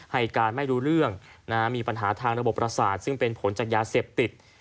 ให้การไม่รู้เรื่องมีปัญหาทางระบบประสาทซึ่งเป็นผลจากยาเสพติด